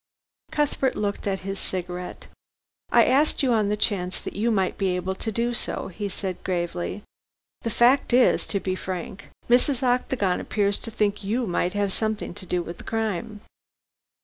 Cuthbert looked at his cigarette. "I asked you on the chance that you may be able to do so," he said gravely. "The fact is, to be frank, Mrs. Octagon appears to think you might have something to do with the crime."